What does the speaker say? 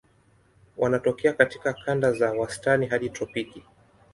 Wanatokea katika kanda za wastani hadi tropiki.